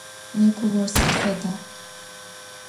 Nêpe vor sıd feda?